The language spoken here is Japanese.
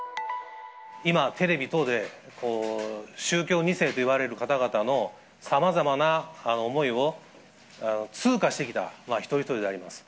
今、テレビ等で宗教２世といわれる方々のさまざまな思いを通過してきた一人一人であります。